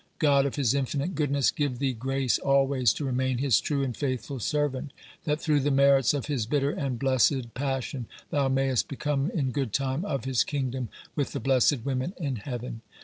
God of his infinite goodness give thee grace alwaies to remain his true and faithfull servant, that through the merits of his bitter and blessed passion thou maist become in good time of his kingdom with the blessed women in heaven.